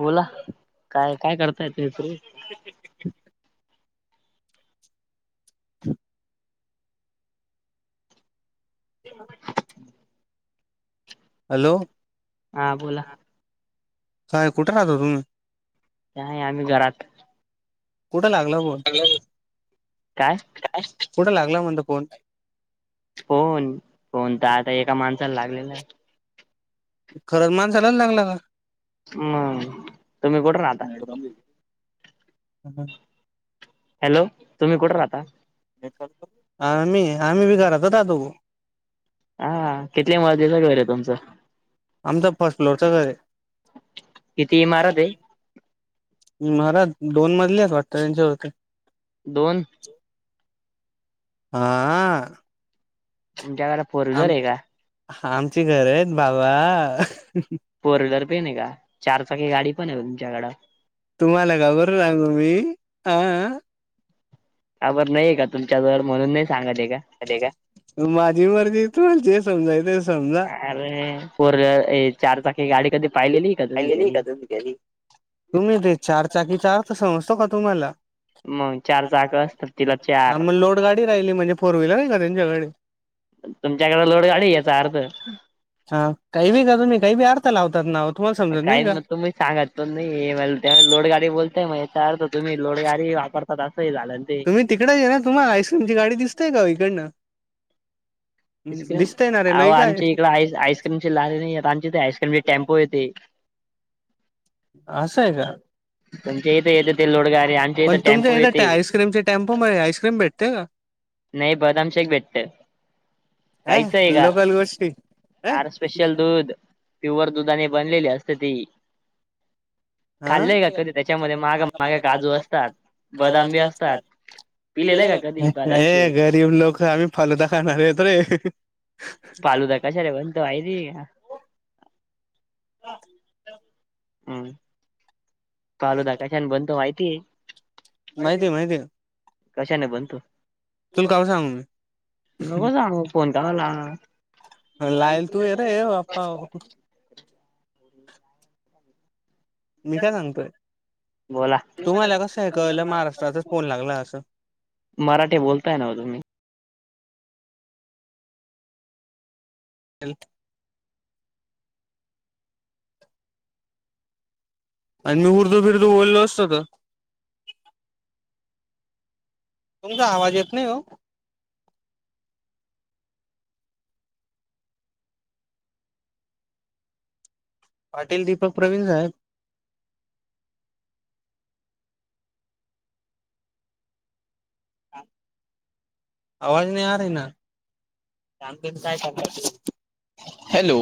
बोला काय काय करतायेत मत्रे. [inaudible] [unintelligible] हॅलो हा बोला. त्या आम्ही घरात. कुठं लागला, फोन कुठं लागला म्हणल फोन. फोन-फोन तर आता, एका माणसाला लागलेला आहे. हम् तुम्ही, कुठे राहता? [inaudible] हॅलो तुम्ही कुठे राहता. आम्ही आम्ही बी, घरातच राहतो भो. हा किती मजेच घैर आहे तुमचं. आमचा फर्स्ट फ्लोरचं घर आहे. किती इमारत आहे. इमारत दोन मजले आहेत, वाटत त्यांच्या होते. दोन हा. म्हच्या. आम आमची, घर आहेत बाबा. फोर व्हीलर पण आहे, का चारचाकी गाडी पण आहे तुमच्याकडं तुम्हाला घाबर राहु मी ह. काबर नाहीे का तुमच्याजवळ म्हणून नाही सांगत का. अ का माझी, मर्जी तू जे समजाय ते समजा. अरे फोर वलर चारचाकी गाडी कधी पाहिलेली. ले नाही का तुम्ही-तुम्ही, ते चार चाकी चार तर समजतो का तुम्हाला? मग लोड गाडी राहिली म्हणजे फोर व्हीलर आहे, का त्यांच्या गाडी. तुमच्याकडे लोड गाडी याचा अर्थ. हा काही बी का तुम्ही काही, बी अता लावतात नाव काही मग तुम्ही सांगा. नाही त्या लोड, गाडी बोलताय मग याच्यात, तुम्ही लोड गाडी वापरताात असं झालं ते मी तिकडेच ये ना तुम्हा आइस्क्रीमची, गाडी दिसतीय काओ इकडन. आईस्क्रीम अह आमची इकड आ आईस्क्रीमची, लाार नाही आमची ते आइस्क्रीमचे टेम्पो येते. असंय का? तुमच्या इथे येते ते लोटगाडी, आमच्या इथे टेम्पो येते. टेम्पो मध्ये आइसक्रीम भेटते का. नाही बदामशेक भेटत. काहीच आहे का हर स्पेशल दूध प्युअर दुधाने बनलेली असते ती खाल्लंय का कधी त्याच्यामध्ये माग माग काजू असतात. बदाम बी असतात. पिलेलंय का कधी ब हे गरीब लोक आम्ही फालूदाा खाणार आहेेतो रे पालू द कशा रे बण त वयरी हम्. चालू दका छान बनत माहिती आहे. कशाने बनतो नकणू फोनताला लाल तू हेरे आपपा मी काय सांगतोय. तुम्हाला कसं ऐ कळलं महाराष्ट्रातच फोन लागला असं. मराठी बोलताय ना तुम्ही ह. आणि मी उर्दो बिरदो बोलल असतो. तुमचा आवाज येत नाही हो. पाटील दीपक प्रवीण साहेब. आवाज नाही आ रही ना. कायय हॅलो.